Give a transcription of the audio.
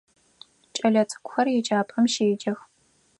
Кӏэлэцӏыкӏухэр еджапӏэм щеджэх.